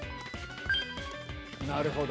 なるほど！